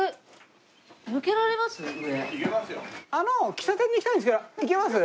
喫茶店に行きたいんですけど行けます？